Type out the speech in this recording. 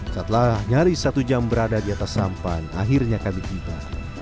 setelah nyaris satu jam berada di atas sampan akhirnya kami tiba